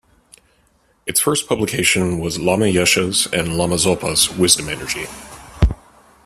Its first publication was Lama Yeshe's and Lama Zopa's Wisdom Energy.